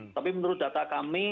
tapi menurut data kami tiga puluh dua